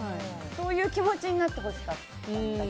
そういう気持ちになってほしかった。